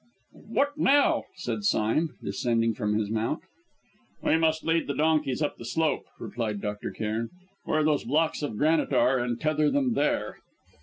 "What now?" said Sime, descending from his mount. "We must lead the donkeys up the slope," replied Dr. Cairn, "where those blocks of granite are, and tether them there."